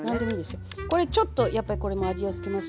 これちょっとやっぱりこれも味を付けます。